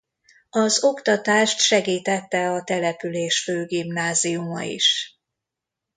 Az oktatást segítette a település főgimnáziuma is.